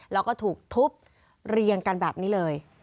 แล้วก็ถูกทุบเรียงกันแบบนี้เลย